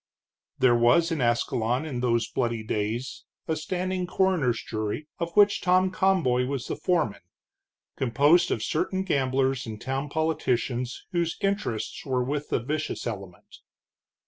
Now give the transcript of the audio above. There was in Ascalon in those bloody days a standing coroner's jury, of which Tom Conboy was the foreman, composed of certain gamblers and town politicians whose interests were with the vicious element.